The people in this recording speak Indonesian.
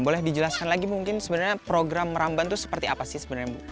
boleh dijelaskan lagi mungkin sebenarnya program meramban itu seperti apa sih sebenarnya bu